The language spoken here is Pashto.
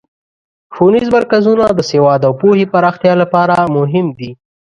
ښوونیز مرکزونه د سواد او پوهې پراختیا لپاره مهم دي.